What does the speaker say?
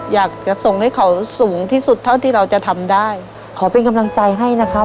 อยากจะส่งให้เขาสูงที่สุดเท่าที่เราจะทำได้ขอเป็นกำลังใจให้นะครับ